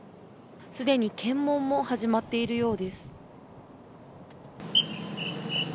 すでに検問も始まっているようです。